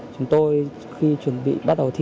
chúng tôi khi chuẩn bị bắt đầu thi